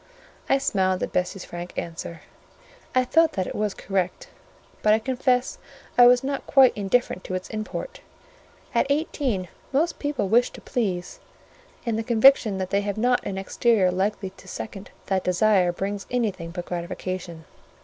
I smiled at Bessie's frank answer: I felt that it was correct, but I confess I was not quite indifferent to its import: at eighteen most people wish to please, and the conviction that they have not an exterior likely to second that desire brings anything but gratification.